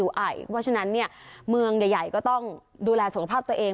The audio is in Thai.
เพราะฉะนั้นเมืองใหญ่ก็ต้องดูแลสุขภาพตัวเอง